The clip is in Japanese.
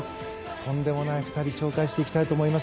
とんでもない２人を紹介したいと思います。